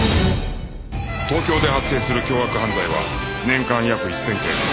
東京で発生する凶悪犯罪は年間約１０００件